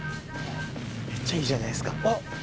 めっちゃいいじゃないですか。